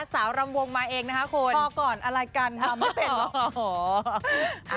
รำวงมาเองนะคะคุณพอก่อนอะไรกันทำไม่เป็นหรอก